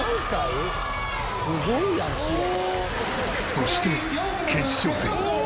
そして決勝戦。